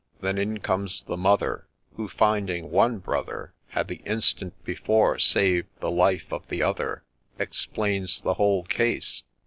Then in comes the mother, Who, finding one brother Had the instant before saved the life of the other, Explains the whole case.